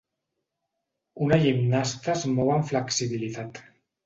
Una gimnasta es mou amb flexibilitat.